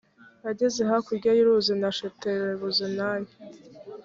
ageze hakurya y’ uruzi na shetaribozenayi